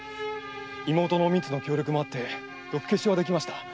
妹のおみつの協力もあって毒消しはできました。